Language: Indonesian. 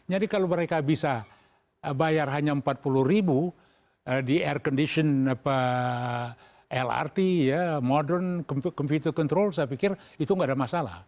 jadi kalau mereka bisa bayar hanya empat puluh ribu di air condition lrt ya modern computer control saya pikir itu nggak ada masalah